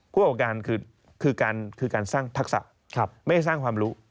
ประกอบการคือการสร้างทักษะไม่ได้สร้างความรู้